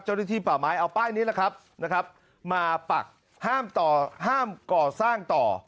เจ้ารุทีป่าไม้เอาป้ายนี้นะครับมาปักห้ามก่อสร้างต่อ